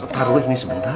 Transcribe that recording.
taruh ini sebentar